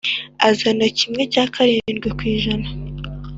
Azana kimwe cya karindwi ku ijana